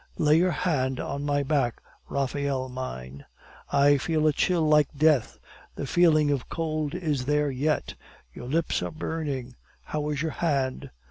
Lay your hand on my back, Raphael mine; I feel a chill like death. The feeling of cold is there yet. Your lips are burning. How is your hand?